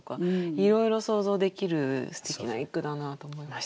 いろいろ想像できるすてきな一句だなと思いました。